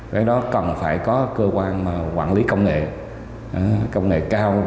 cái đó cần phải có cơ quan quản lý công nghệ công nghệ cao